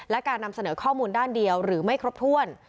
และการนำเสนอข้อมูลด้านเดียวหรือไม่ครบถ้วน